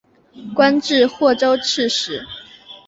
官至霍州刺史。